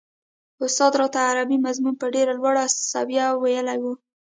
استاد راته عربي مضمون په ډېره لوړه سويه ويلی و.